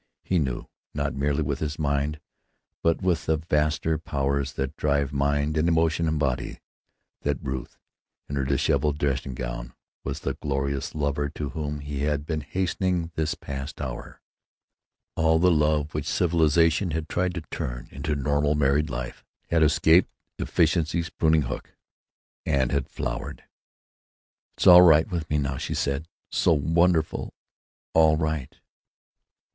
He knew, not merely with his mind, but with the vaster powers that drive mind and emotion and body, that Ruth, in her disheveled dressing gown, was the glorious lover to whom he had been hastening this hour past. All the love which civilization had tried to turn into Normal Married Life had escaped Efficiency's pruning hook, and had flowered. "It's all right with me, now," she said; "so wonderfully all right."